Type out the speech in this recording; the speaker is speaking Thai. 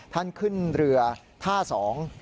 ท่านขึ้นเรือท่าสอง